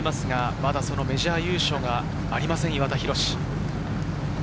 まだメジャー優勝がありません、岩田寛。